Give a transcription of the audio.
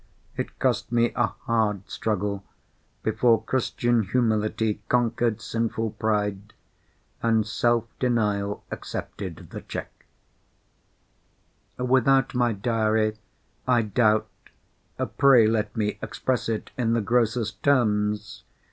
It cost me a hard struggle, before Christian humility conquered sinful pride, and self denial accepted the cheque. Without my diary, I doubt—pray let me express it in the grossest terms!